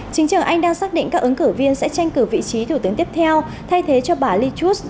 chính trưởng anh đang xác định các ứng cử viên sẽ tranh cử vị trí thủ tướng tiếp theo thay thế cho bà lee choos